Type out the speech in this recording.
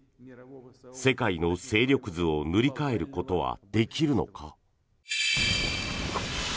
世界の勢力図を塗り替えることはできるのか。